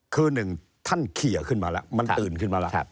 คือหนึ่งท่านเขียขึ้นมาแล้วมันตื่นขึ้นมาแล้ว